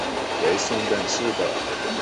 为松本市的。